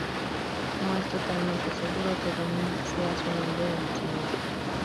No es totalmente seguro que Dominic sea su nombre de nacimiento.